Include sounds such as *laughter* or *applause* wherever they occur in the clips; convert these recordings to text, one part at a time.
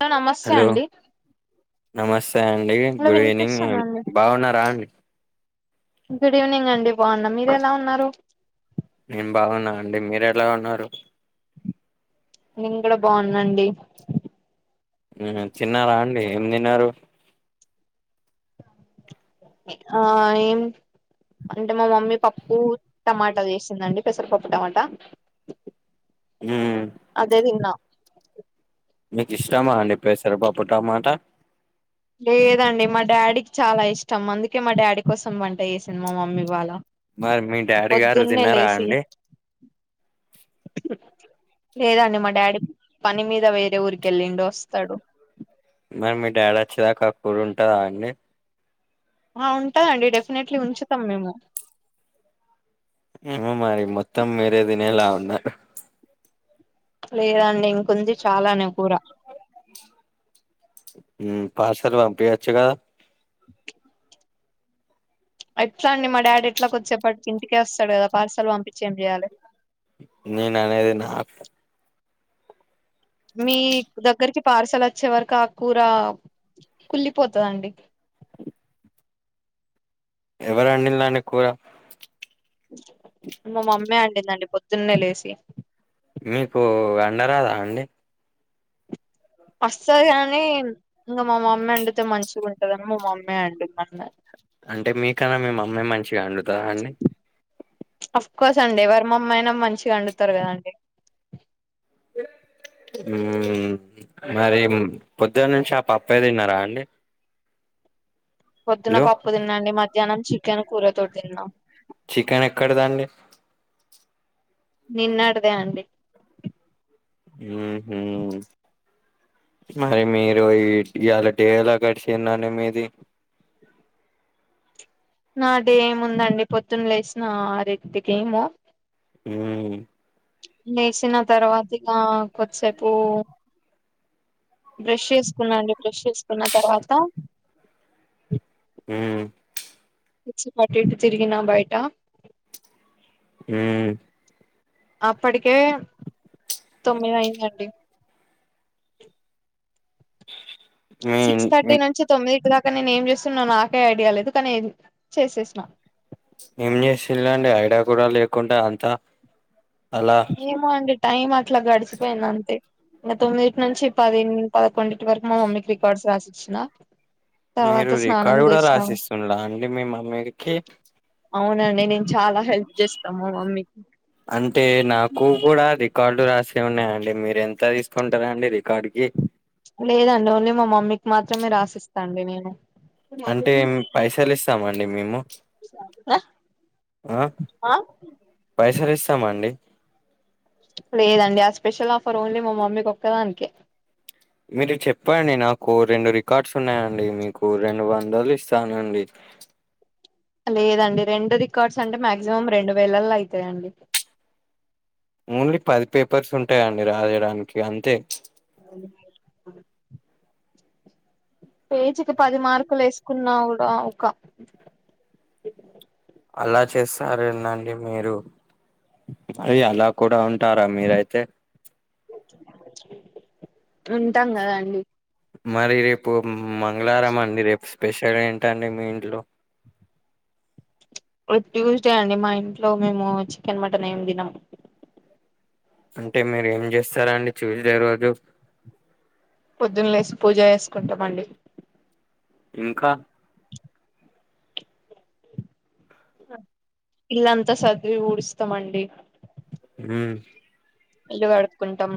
Hello నమస్తే hello అండి. నమస్తే అండి. హలో గుడ్ ఈవెనింగ్ వినిపిస్తుందండి బాగున్నారా. గుడ్ ఈవెనింగ్ అండి బాగున్నా. మీరు ఎలా ఉన్నారు? నేను బాగున్నా అండి. మీరు ఎలా ఉన్నారు? నేను కూడా బాగున్నాండి. ఉహు తన్నారా అండి. ఏం తిన్నారు? ఆ ఏం. అంటే మా మమ్మీ పప్పు టమాటా చేసిందండి పెసరపప్పు టమాట. ఉమ్, అదే దిన్నా మీకు ఇష్టమా అండి పెసరపప్పు టమాట లేదండి మా డాడీకి చాలా ఇష్టం అందుకే మా డాడీ కోసం పంట జేసింది మా మమ్మీ ఇవాళ మరి మీ డాడీ గారు పొద్దున్నే దిన్నారా లేసి అండి *inaudible* లేదండి మా డాడీ పని మీద వేరే ఊరికెళ్ళిండి వస్తడు మరి మీ డాడీ వచ్చేదాకా ఆ కూర ఉంటదా అండి ఆ ఉంటదండి డెఫినెట్లీ ఉంచుతాం మేము ఏమో మరి మొత్తం మీరే దినేలా ఉన్నారు లేదండి ఇంక ఉంది చాలానే కూర ఉమ్ పార్సల్ పంపియొచ్చుగా ఎట్లా అండి మా డాడీ ఎట్లాగు కొద్దిసెప్పటికి ఇంటికే వస్తాడు గదా పార్సల్ పంపించి ఏం జేయాలే నేను అనేది నాకు మీ దగ్గరికి పార్సల్ వచ్చే వరకు ఆ కూర కుళ్ళిపోతదండి ఎవరొండి రండి కూర మా మమ్మే అండిందండి పొద్దున్నే లేసి మీకు వండరాదా అండి వస్తది గాని ఇంకా మా మమ్మీ వండితే మంచిగా ఉంటదని మా మమ్మీ వండ మన్న అంటే మీకన్నా మీ మమ్మీ మంచిగా వండుతదా అండి అఫ్ కోర్స్ అండి ఎవరి మమ్మి అయినా మంచిగా వండుతారు కదండి *inaudible* ఉమ్ మరి పొద్దున నుంచి ఆ పప్పె దిన్నారా అండి పొద్దున్న హలో పప్పు దిన్నా అండి మధ్యాహ్నం చికెన్ కూరతో తిన్నా చికెన్ ఎక్కడిదండి నిన్నటిదే అండి ఉమ్ హు మరి మీరు ఈ ఇయాల డే ఏలా గడిసిందండి మీది నాడేముందండి పొద్దున్న లేసిన ఆరింటికేమో ఉమ్ లేసిన తర్వాత ఇగ కొద్దిసేపు బ్రష్ యేసుకున్నా అండి బ్రష్ యేసుకున్న తర్వాత ఉమ్ మిస్సిపట్టి అటు ఇటు తిరిగినా బయట ఉమ్ అప్పటికే తొమ్మిది అయిందండి మీ సిక్స్ థర్టీ నుంచి తొమ్మిది ఇంటిదాక నేను ఏం జేస్తున్నో నాకే ఐడియా లేదు కానీ చేసేసిన ఏం జేసిలాండి ఐడియా గూడా లేకుండా అంతా అలా ఏమో అండి టైం అట్లా గడిచిపోయింది అంతే ఇంకా తొమ్మిదిటి నుంచి పది పదకొండిటి వరకు మా మమ్మీకి రికార్డ్స్ రాసిచ్చిన మీరు తర్వాత స్నానం రికార్డు గూడా చేసినాం రాసిస్తుంలా అండి మీ మమ్మీకి అవునండి నేను చాలా హెల్ప్ జేస్తాము మా మమ్మీకి అంటే నాకు గూడా రికార్డు రాసే ఉన్నాయండి మీరు ఎంత తీసుకుంటారా అండి రికార్డు కి లేదండి ఓన్లీ మా మమ్మీకి మాత్రమే రాసిస్తా అండి నేను అంటే పైసలు ఇస్తామండి మేము ఆ పైసలు ఇస్తామ అండి లేదండి ఆ స్పెషల్ ఆఫర్ ఓన్లీ మా మమ్మీకి ఒక్కదానికి మీరు చెప్పండి నాకు రెండు రికార్డ్స్ ఉన్నాయండి మీకు రెండు వందలు ఇస్తానండి లేదండి రెండు రికార్డ్స్ అంటే మాక్సిమం రెండు వేలల్లో అయిపోయా యండి ఓన్లీ పది పేపర్స్ ఉంటాయండి రాయడానికి అంతే *unintelligible* పేజీకిి పది మార్కులు వేసుకున్నా కూడా ఒక అలా చేస్తారనండి మీరు హ అలా కూడా ఉంటారా మీరైతే ఉంటాం కదాండి మరి రేపు మంగళారం అండి రేపు స్పెషల్ ఏంటండి మీ ఇల్లు ట్యూస్డే అండి మా ఇంట్లో మేము చికెన్ మటన్ ఏం తినము అంటే మీరు ఏం చేస్తారా అండి ట్యూస్డే రోజు పొద్దున్న లేసి పూజ చేసుకుంటామండి ఇంకా ఇల్లాంతా సార్ది వూడిస్తామండి ఊ ఇల్లు కడుగుటాం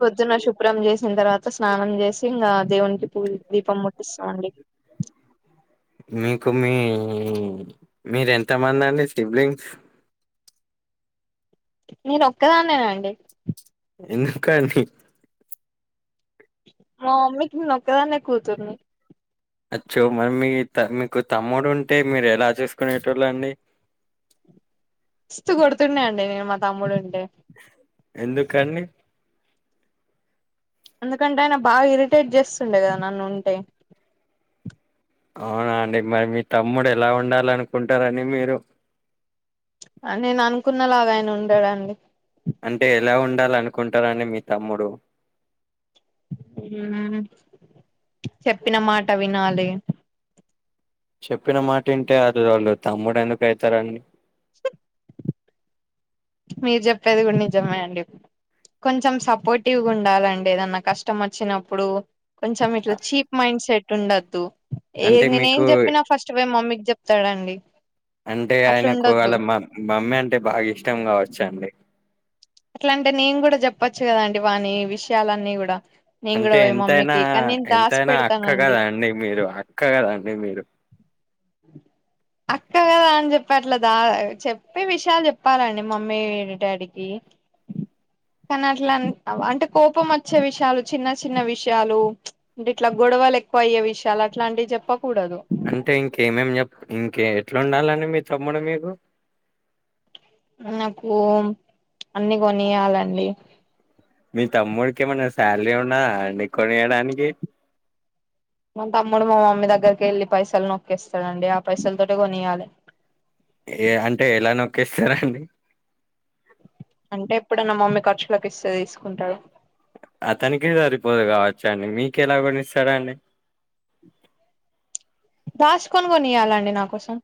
పొద్దున శుభ్రం చేసిన తర్వాత స్నానం చేసి ఇంకా దేవునికి పూజ దీపం ముట్టిస్తామండి మీకు మీ మీర ఎంత మంది అండి సిబ్లింగ్స్ నేను ఒక్కదాన్నేనా అండి ఎందుకాడి మా మమ్మీకి నేను ఒక దాన్నే కూతుర్ని అచ్చో మరి మీ మీకు తమ్ముడు ఉంటే మీరు ఎలా చూసుకునేటోళ్ళ అండి మాస్తూ కొడుతున్నాయండి నేను మా తమ్ముడు ని ఎందుకు అన్నడి ఎందుకంటే ఆయన బాగా ఇరిటేట్ చేస్తుండే కదా నన్ను ఉంటే అవునా అండి మరి మీ తమ్ముడు ఎలా ఉండాల అనుకుంటారని మీరు నేను అనుకున్నలాగా ఆయన ఉండాడండి అంటే ఎలా ఉండాలి అనుకుంటారని మీ తమ్ముడు ఉమ్మ్ చెప్పిన మాట వినాలే చెప్పిన మాట ఇంటే అదు వాళ్ళు తమ్ముడు ఎందుకు అయితారు మీరు చెప్పేది కూడా నిజమాయండి కొంచెం సపోర్టివ్ ఉండాలండి ఏదన్నా కష్టం వచ్చినప్పుడు కొంచెం ఇట్లా చీప్ మైండ్ సెట్ ఉండద్దు ఏ అంటే నేను ఏం మీకు చెప్పినా ఫస్ట్ పో మమ్మీకి చెప్ చెప్తారండి అంటే ఆయన అలా మామ్ మమ్మీ అంటే బాగా ఇష్టం కావచ్చు అండి ఎట్లా అంటే నేను కూడా చెప్పచ్చు కదండి వాని విషయాలన్నీ కూడా నేను అంటే కూడా పోయి ఎంతైనా మమ్మీకి కానీ నేను దాసి ఎంతైనా అక్క పెడతానండి కదా అండి మీరు అక్క కదండి మీరు అక్కగద అని చెప్పట్లేదా చెప్పే విషయాలు చెప్పాలండి మమ్మీ డాడీకి కానీ అట్లా అంటే కోపం వచ్చే విషయాలు చిన్న చిన్న విషయాలు అంటే ఇట్లా గొడవలు ఎక్కువ అయ్యే విషయాలు అట్లాంటి చెప్ప అంటే ఇంకేమేం చెప్ప ఇంక ఎట్లా ఉండాలని మీరు తమ్ముడు మీకు నాకు అన్ని కొనియాలండి మీ తమ్ముడికి ఏమైన్నా శాలరీ ఉన్నాదా అండి కొనియడానికి మా తమ్ముడు మా మమ్మీ దగ్గరకి వెళ్ళి పైసలు నొక్కేస్తాడండి ఆ పైసల తోటె కొనియాలి ఏ అంటే ఎలా నొక్కేస్తారండి అంటే ఎప్పుడైన్న మమ్మీ ఖర్చులకి ఇస్తే తీసుకుంటాడు అతనికి సరిపోదు కావచ్చండి మీకు ఎలా కొనిస్తాడండి దాసుకొని కొనియాలండి నా కోసం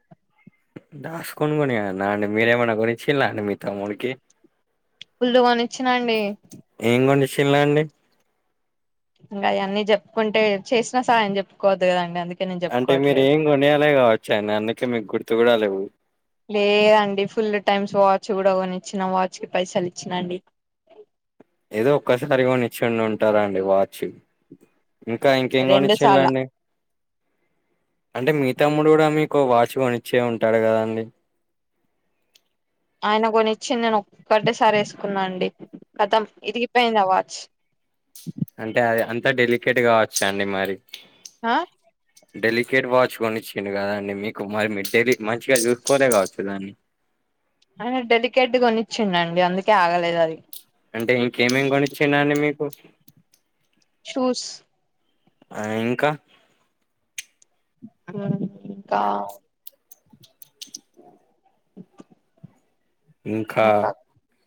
దాస్కొని కొనియాలన అండి మీరేమైన కొనిచిల్ల అండి మి తమ్ముడికి ఫుల్లు గొన్నిచ్చిన అండి చిల్ల అండి ఇంకా అయన్నీ చెప్పుకుంటే చేసినా సాయం చెప్పుకోవద్దు కదండి అందుకె అంటే మీర ఏం కొనియాలే కావచ్చు అండి అందుకే మీకు గుర్తు కూడా లెవ్వు లేదండి ఫుల్ టైమ్స్ వాచ్ కూడా కొనిచ్చిన వాచ్ కి పైసలు ఇచ్చినాండి ఏదో ఒక్కసారి కొనిచ్చండి ఉంటాదా అండి వాచ్ ఇంకా ఇంకేం రెండు సార్ల కొనిచ్చిళండి అంటే మీ తమ్ముడు కూడా మీకు వాచ్ కొనిచ్చే ఉంటాడు కదాండి ఆయన కొనిచ్చింది నేను ఒక్కటే సారి వేసుకున్నా అండి ఖతం విరిగిపోయింది అవాచ్ అంటే అది అంత డెలికేట్ గా వచ్చాండి మరి ఆ డెలికేట్ వాచ్ కొనిచ్చిండు కదండి మీకు మరి మీ డె మంచిగా చూసుకోలే కావచ్చు దాన్ని అ డెలికెట్ కొనిచ్చిండి అందుకే ఆగల అంటే ఇంకేమేమి కొనిచ్చినన్ని మీకు షూస్ అ ఇంకా ఇంక ఇంకా ఇంకా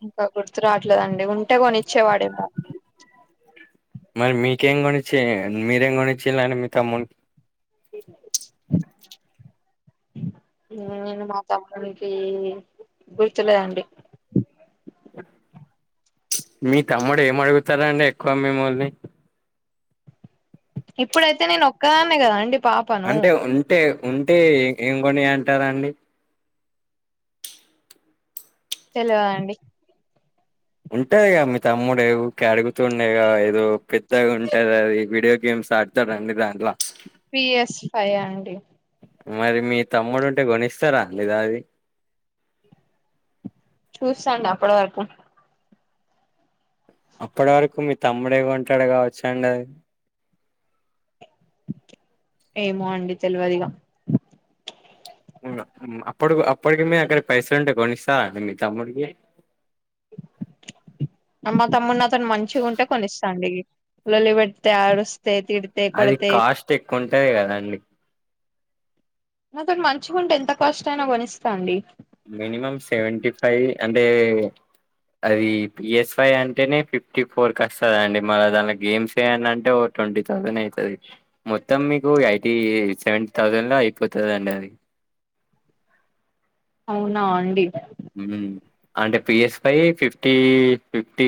ఇంకా గుర్తు రావట్లేదండి ఉంటే కొనిచ్చేవాడేమో మరి మీకేం గొనిచి మీరేం గోణిచిల్లు అండి మీ తమ్మునికి *inaudible* నేను మా తమ్మునికి గుర్తులేదండి మీ తమ్ముడు ఏమడుగుతారండి ఎక్కువ మిమ్మల్ని ఇప్పుడైతే నేను ఒక్కాదాన్నే కద అండి పాపను అంటే ఉంటే ఉంటే ఏం కొనియ్ అంటారండి తెల్వదండి ఉంటదిగా మీ తమ్ముడు ఎ అడుగుతూ ఉండేగా ఏదో పెద్దగా ఉంటది అది వీడియో గేమ్ సాడ్త రండి దాంట్ల పిఎస్ ఫై ఆ అండి మరి మీ తమ్ముడు ఉంటే గోనిస్తారా అండి అది చూసాండి అప్పడ్వరకు అప్పటి వరకు మీ తమ్ముడే కొంటాడు కావచ్చా అండి అది ఏమో అండి తెలవదిగా అప్పడు అప్పటికి మీ అక్కడ పైసలు ఉంటే కొనిస్తారా అండి మీ తమ్ముడికి అమ్ మా తమ్ముడ్ నాతోని మంచిగా ఉంటే కొనిస్తాండి లొల్లి పెడితే ఆడుస్ అది కాస్ట్ ఎక్కువ ఉంటది కదాండి నాతోనీ మంచిగంటే ఎంత కాస్ట్ అయినా కొనిస్తా అండి మినిమం సెవెంటీ ఫై అంటే అది పిఎస్ వై అంటేనే ఫిఫ్టీ ఫోర్ కస్తుందండి మళ్ళ దానిలో గేమ్స్ ఆయన్ని అంటే వి ట్వంటీ థౌసండ్ అయితది మొత్తం మీకు ఎయిటీ సెవెంటీ థౌజండ్ లో అయిపోతది అండి అది *inaudible* అవునా అండి అంటే PS five fifty fifty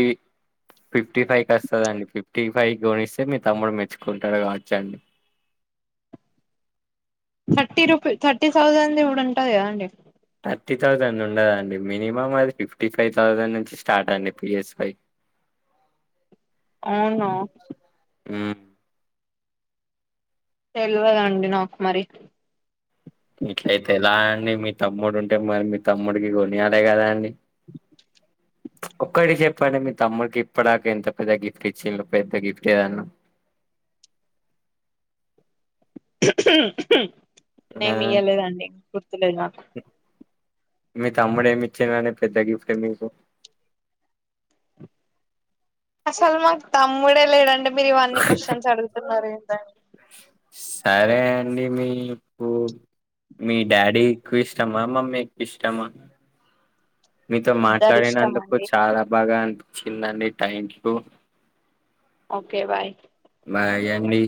fifty five కస్తదండి ఫిఫ్టీ ఫైవ్ కొనిస్తే మీ తమ్ముడు మెచ్చుకుంటడు కావచ్చు అండి *inaudible* థర్టీ రూపీస్ థర్టీ థౌజండ్ కూడా ఉంటది కదా అండి ఫిఫటీ థౌజండ్ ఉండదండి మినిమం అది ఫిఫ్టీ ఫైవ్ థౌజండ్ నుంచి స్టార్ట్ అండి ఆది పి ఎస్ ఫై ఆ అవునా ఉమ్ తేల్వదండి నాకు మరి నీ మీ తమ్ముడు ఉంటే మరి మీ తమ్ముడికి కొనియాలి కదా అండి *inaudible* *inaudible* ఒక్కటి చెప్పండి మీ తమ్ముడికి ఇప్పడాక ఎంత పెద్ద గిఫ్ట్ ఇచ్చి పెద్ద గిఫ్ట్ ఏదన్న *inaudible* ఏమి ఇయలేదండి గుర్తులేదు నాకు మీ తమ్ముడు ఏమిచ్చండండి పెద్ద గిఫ్ట్ మీకు అసలు మాకు తమ్ముడే లేడండి మీరు ఇవన్నీ క్వశ్చన్స్ అడుగుతున్నారు ఏంట సరే అండి మీ ఇళ్లు మీ డాడీ ఎక్కువ ఇష్టమా మమ్మీ ఎక్కువ ఇష్టమా మీతో ఇద్దరు ఇష్టం మాట్లాడినందుకు అండి చాలా బాగా అన్ చిన్నండి థ్యాంక్ యూ ఓకే బాయ్ మరియన్ని